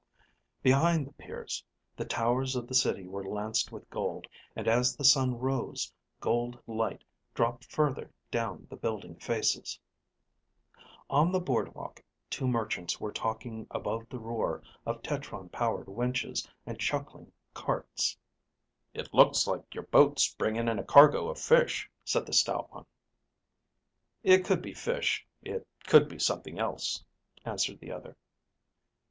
Behind the piers, the towers of the City were lanced with gold, and as the sun rose, gold light dropped further down the building faces. On the boardwalk, two merchants were talking above the roar of tetron powered winches and chuckling carts. "It looks like your boat's bringing in a cargo of fish," said the stout one. "It could be fish. It could be something else," answered the other.